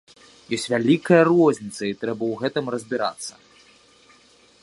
Ёсць вялікая розніца і трэба ў гэтым разбірацца.